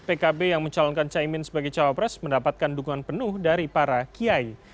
pkb yang mencalonkan caimin sebagai cawapres mendapatkan dukungan penuh dari para kiai